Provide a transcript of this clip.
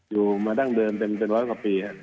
อยู่มาดั้งเดิมเป็นร้อยกว่าปีครับ